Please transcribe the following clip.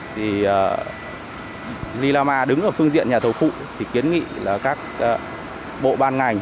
thì lila ma đứng ở phương diện nhà thầu phụ thì kiến nghị là các bộ ban ngành